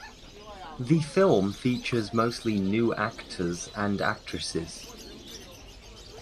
The film features mostly new actors and actresses.